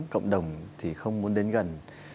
cộng đồng thì không muốn đến gần